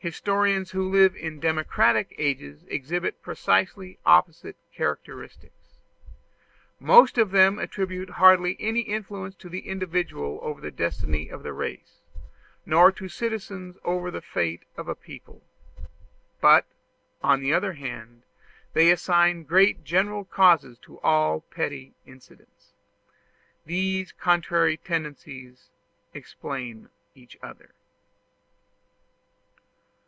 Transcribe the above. Historians who live in democratic ages exhibit precisely opposite characteristics. Most of them attribute hardly any influence to the individual over the destiny of the race, nor to citizens over the fate of a people; but, on the other hand, they assign great general causes to all petty incidents. These contrary tendencies explain each other.